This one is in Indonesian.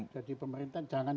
jadi pemerintah jangan